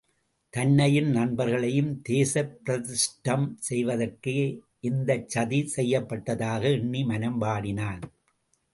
தன்னையும் நண்பர்களையும் தேசப்பிரஷ்டம் செய்வதற்கே இந்தச்சதி செய்யப்பட்டதாக எண்ணி, மனம் வாடினான்.